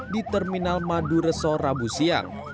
di terminal madu reso rabu siang